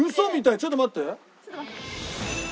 ちょっと待って。